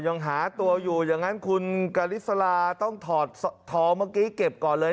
ยังหาตัวอยู่อย่างนั้นคุณกริสลาต้องถอดทองเมื่อกี้เก็บก่อนเลย